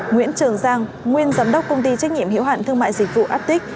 nguyễn trường giang nguyên giám đốc công ty trách nhiệm hiểu hạn thương mại dịch vụ attic